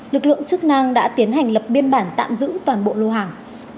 lực lượng chức năng đã tiến hành lập biên bản tạm giữ toàn bộ lô hàng